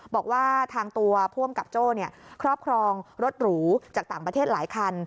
บอกว่าทางตัวผู้อำกับโจ้ครอบครองรถหรูจากต่างประเทศหลายคัน